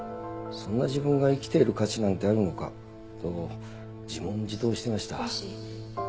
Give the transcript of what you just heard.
そんな自分が生きている価値なんてあるのかと自問自答してました。